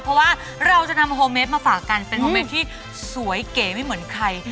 เพราะว่าเราจะนำโฮเมดมาฝากกันเป็นโฮเมดที่สวยเก๋ไม่เหมือนใคร